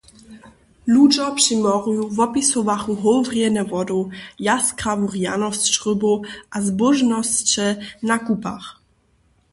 Ludźo při morju wopisowachu howrjenje wodow, jaskrawu rjanosć rybow a zbóžnosće na kupach.